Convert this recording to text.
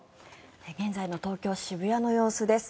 現在の東京・渋谷の様子です。